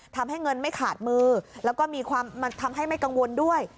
ทำให้เงินไม่ขาดมือแล้วก็มีความทำให้ไม่กังวลด้วย